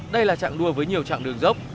đây là trạng đua với nhiều trạng đường dốc